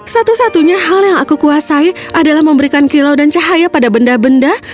satu satunya hal yang aku kuasai adalah memberikan kilau dan cahaya pada benda benda